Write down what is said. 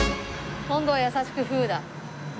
今度は優しく「フー」だ。